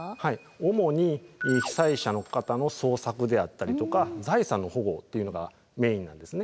主に被災者の方の捜索であったりとか財産の保護というのがメインなんですね。